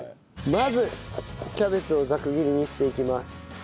まずキャベツをざく切りにしていきます。